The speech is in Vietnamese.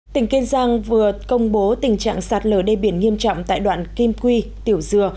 tỉnh kiên giang vừa công bố tình trạng sạt lở đê biển nghiêm trọng tại đoạn kim quy tiểu dừa